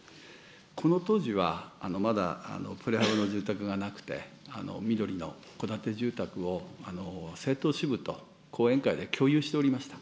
この当時は、まだプレハブの住宅がなくて、緑の戸建て住宅を政党支部と後援会で共有しておりました。